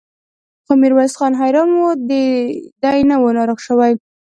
خو ميرويس خان حيران و، دی نه و ناروغه شوی.